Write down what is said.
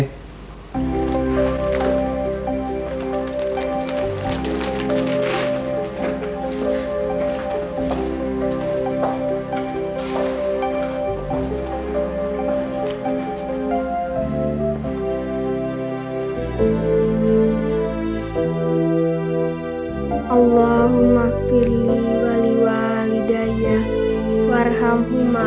selamat tinggal sam